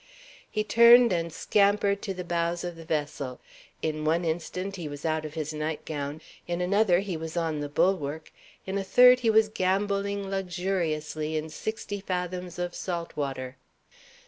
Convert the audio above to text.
He turned, and scampered to the bows of the vessel. In one instant he was out of his night gown, in another he was on the bulwark, in a third he was gamboling luxuriously in sixty fathoms of salt water.